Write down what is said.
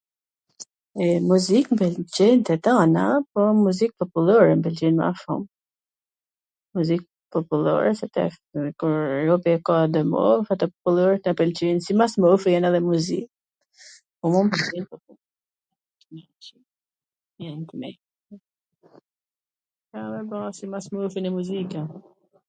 Muzik mw pwlqejn tw tana, po muzik popullore mw pwlqen ma shum. Muzik popullore, se tash kur robi e ka donj mosh populloret na pwlqejn, simas moshwn ene muzik ... Ca me ba, simas moshwn ene muzika.